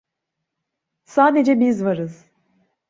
Sadece biz varız.